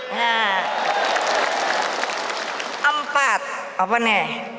nah empat apa nih